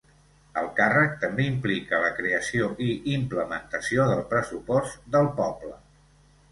El càrrec també implica la creació i implementació del pressupost del poble.